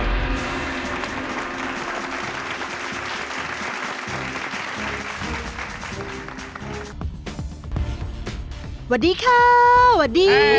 สวัสดีค่ะสวัสดี